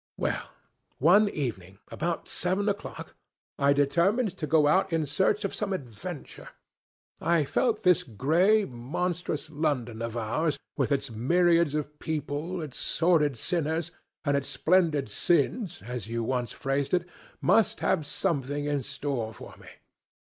Well, one evening about seven o'clock, I determined to go out in search of some adventure. I felt that this grey monstrous London of ours, with its myriads of people, its sordid sinners, and its splendid sins, as you once phrased it, must have something in store for me.